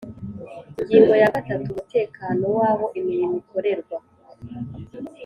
Ingingo ya gatatu Umutekano w aho imirimo ikorerwa